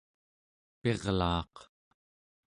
pirlaaq